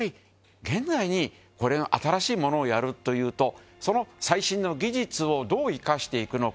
僂現在にこれ新しいものをやるというと修虜膿靴竜蚕僂どう生かしていくのか。